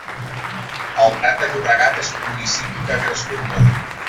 El Prat de Llobregat és un municipi que ha crescut molt.